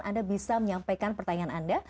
anda bisa menyampaikan pertanyaan anda